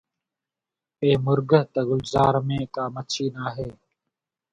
اي مرغ! ته گلزار ۾ ڪا مڇي ناهي